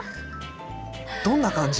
どんな感じ？